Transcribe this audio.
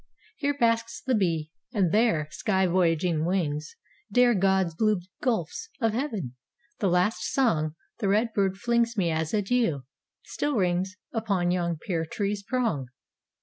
Here basks the bee; and there, sky voyaging wings Dare God's blue gulfs of heaven; the last song, The red bird flings me as adieu, still rings Upon yon pear tree's prong.